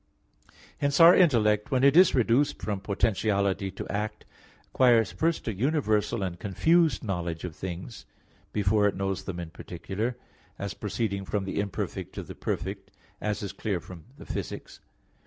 Hence our intellect, when it is reduced from potentiality to act, acquires first a universal and confused knowledge of things, before it knows them in particular; as proceeding from the imperfect to the perfect, as is clear from Phys. i.